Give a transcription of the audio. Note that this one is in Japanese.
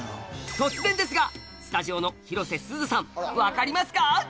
突然ですがスタジオの広瀬すずさん分かりますか？